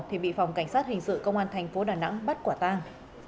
thì bị phòng cảnh sát hình sự công an thành phố đà nẵng bắt quả tang